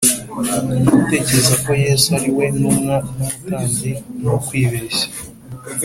gutekereza ko Yesu ari we ntumwa n umutambyi nukwibeshya